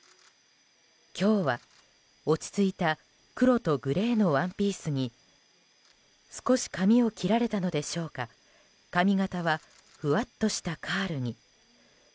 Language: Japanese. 今日は、落ち着いた黒とグレーのワンピースに少し髪を切られたのでしょうか髪形はふわっとしたカールに。